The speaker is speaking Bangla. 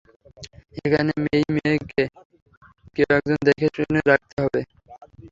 এখন মেই-মেইকে কেউ একজন দেখেশুনে রাখতে হবে।